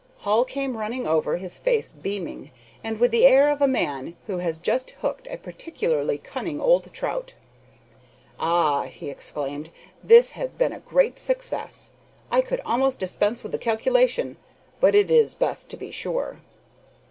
Hall came running over, his face beaming, and with the air of a man who has just hooked a particularly cunning old trout. "Ah!" he exclaimed, "this has been a great success! I could almost dispense with the calculation, but it is best to be sure."